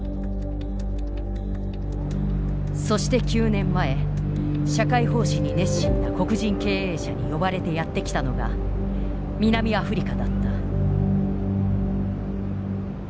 そして９年前社会奉仕に熱心な黒人経営者に呼ばれてやって来たのが南アフリカだった。